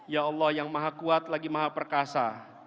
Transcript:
ya allah yang maha kuat lagi maha perkasa